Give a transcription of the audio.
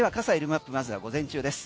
マップまずは午前中です。